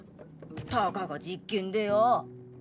たかが実験でよォ！